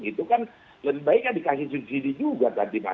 itu kan lebih baiknya dikasih subsidi juga